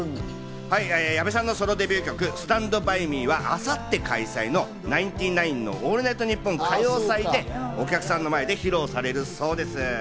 矢部さんのソロデビュー曲『スタンドバイミー』は明後日開催の「ナインティナインのオールナイトニッポン歌謡祭」でお客さんの前で披露されるそうです。